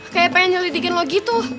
kayak pengen nyelidikin lo gitu